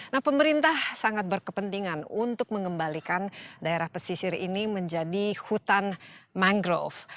nah pemerintah sangat berkepentingan untuk mengembalikan daerah pesisir ini menjadi hutan mangrove